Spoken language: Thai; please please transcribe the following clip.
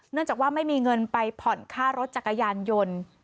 จากว่าไม่มีเงินไปผ่อนค่ารถจักรยานยนต์